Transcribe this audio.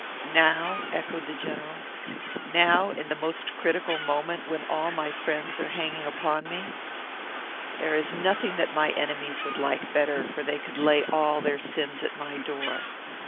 "Now?" echoed the General. "Now, in the most critical moment, when all my friends are hanging upon me? There is nothing that my enemies would like better, for they could lay all their sins at my door.